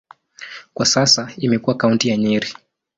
Kwa sasa imekuwa kaunti ya Nyeri.